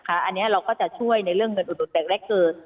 อันนี้เราก็จะช่วยในเมืองอุดแรกเกิด